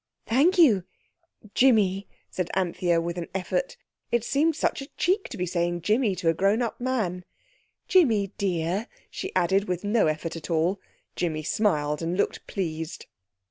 "Thank you—Jimmy," said Anthea with an effort. It seemed such a cheek to be saying Jimmy to a grown up man. "Jimmy, dear," she added, with no effort at all. Jimmy smiled and looked pleased.